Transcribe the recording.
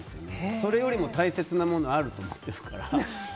それよりも大切なものがあると思っているから。